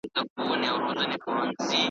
او د بشپړي روغتیا هیله ورته کوو .